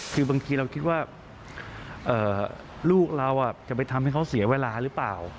คือบางทีเราคิดว่าลูกเราจะไปทำให้เขาเสียเวลาหรือเปล่า